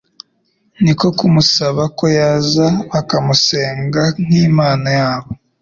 niko kumusaba ko yaza bakamusenga nk'imana yabo.